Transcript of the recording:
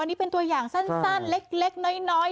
อันนี้เป็นตัวอย่างสั้นเล็กน้อย